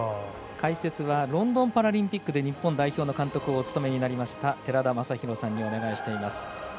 解説はロンドンパラリンピックで日本代表監督をお務めになりました寺田雅裕さんにお願いしております。